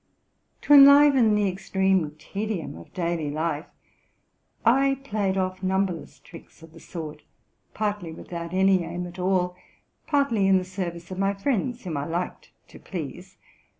To enliven the extreme tedium of daily life, I played off numberless tricks of the sort, partly without any aim at ali, partly in the service of my friends, whom I liked to please.